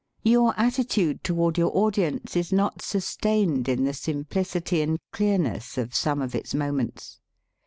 Your attitude toward your audience is not sustained in the simplicity and clearness of some of its moments.